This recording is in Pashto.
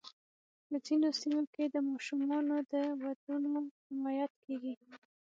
په ځینو سیمو کې د ماشومانو د ودونو حمایت کېږي.